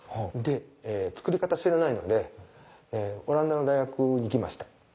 で造り方知らないのでオランダの大学に行きました。